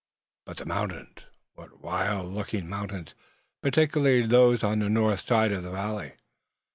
But the mountains! What wild looking mountains, particularly those on the north side of the valley!